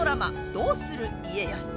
「どうする家康」。